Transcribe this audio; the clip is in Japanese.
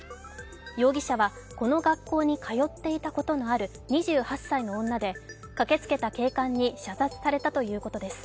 容疑者はこの学校に通っていたことのある２８歳の女で駆けつけた警官に射殺されたということです。